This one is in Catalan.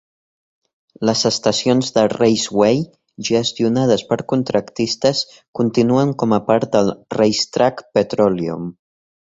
Les estacions de RaceWay, gestionades per contractistes, continuen com a part de RaceTrac Petroleum.